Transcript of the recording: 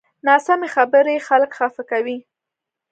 ناسمې خبرې خلک خفه کوي